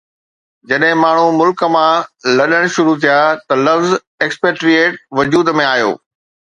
جڏهن ماڻهو ملڪ مان لڏڻ شروع ٿيا ته لفظ Expatriate وجود ۾ آيو